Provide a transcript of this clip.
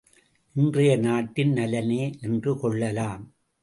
இன்றைய நாட்டின் நலனே என்று கொள்ளலாம்.